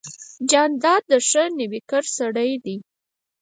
جانداد د ښه نویکر سړی دی.